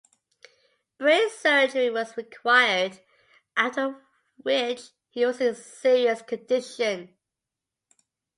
Brain surgery was required, after which he was in serious condition.